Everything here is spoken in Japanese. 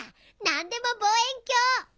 何でも望遠鏡！